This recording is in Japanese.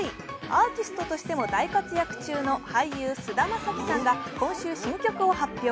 アーティストとしても大活躍中の俳優、菅田将暉さんが今週、新曲を発表。